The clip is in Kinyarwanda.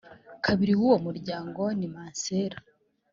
kabiri w uwo muryango ni masera